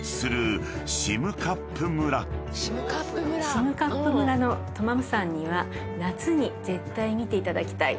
占冠村のトマム山には夏に絶対見ていただきたい激